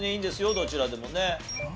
どちらでもね。